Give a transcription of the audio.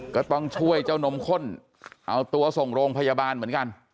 ก็ต้องช่วยเจ้านมข้นเอาตัวส่งโรงพยาบาลเหมือนกัน